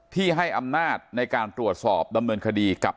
ที่ให้อำนาจในการตรวจสอบดำเนินคดีกับ